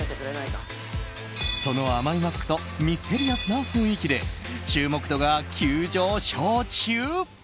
その甘いマスクとミステリアスな雰囲気で注目度が急上昇中。